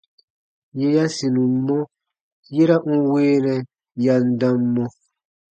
Yè ya sinum mɔ, yera n weenɛ ya n dam mɔ.